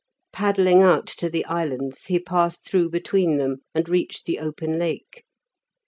Paddling out to the islands he passed through between them, and reached the open Lake.